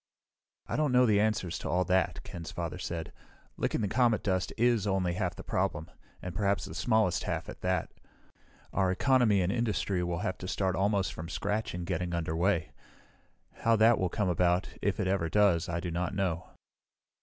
"I don't know the answers to all that," Ken's father said. "Licking the comet dust is only half the problem and perhaps the smallest half, at that. Our economy and industry will have to start almost from scratch in getting underway. How that will come about, if it ever does, I do not know."